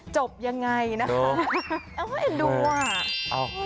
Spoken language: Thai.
จบยังไงนะคะเอ็นดูอ่ะ